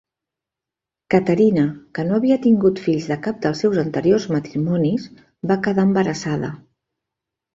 Caterina, que no havia tingut fills de cap dels seus anteriors matrimonis, va quedar embarassada.